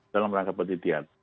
dalam rangka penelitian